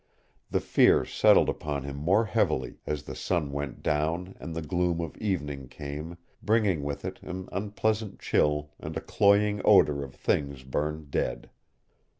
The fear settled upon him more heavily as the sun went down and the gloom of evening came, bringing with it an unpleasant chill and a cloying odor of things burned dead.